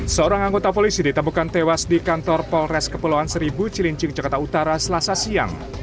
seorang anggota polisi ditemukan tewas di kantor polres kepulauan seribu cilincing jakarta utara selasa siang